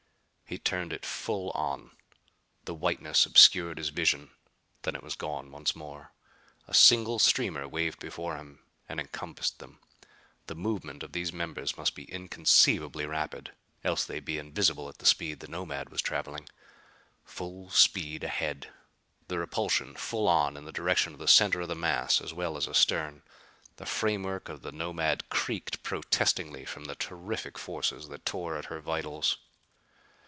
He turned it full on. The whiteness obscured his vision. Then it was gone once more. A single streamer waved before him and encompassed them. The movement of these members must be inconceivably rapid, else they'd be invisible at the speed the Nomad was traveling. Full speed ahead. The repulsion full on in the direction of the center of the mass as well as astern. The framework of the Nomad creaked protestingly from the terrific forces that tore at her vitals.